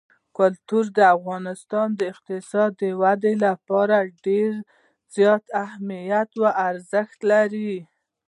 کلتور د افغانستان د اقتصادي ودې لپاره ډېر زیات اهمیت او ارزښت لري.